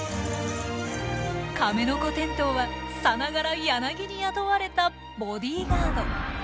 カメノコテントウはさながらヤナギに雇われたボディガード。